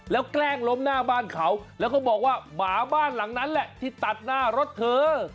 แล้วแกล้งล้มหน้าบ้านเขาแล้วก็บอกว่าหมาบ้านหลังนั้นแหละที่ตัดหน้ารถเธอ